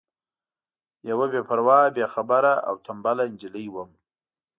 یوه بې پروا بې خبره او تنبله نجلۍ وم.